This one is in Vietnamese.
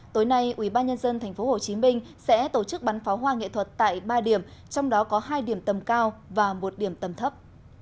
tối nay ubnd tp hcm sẽ tổ chức bắn pháo hoa nghệ thuật tại ba điểm trong đó có hai điểm tầm cao và một điểm tầm thấp